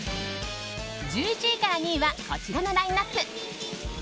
１１位から２位はこちらのラインアップ。